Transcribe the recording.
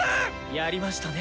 やりましたね